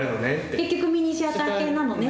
結局ミニシアター系なのねって。